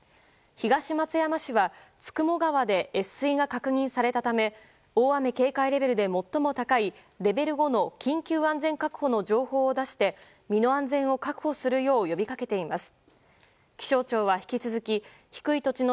東松山市は九十九川で越水が確認されたため大雨警戒レベルで最も高いレベル５の緊急安全確保の情報を出して身の安全を確保するよう呼びかけています。